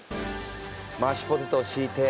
マッシュポテトを敷いて。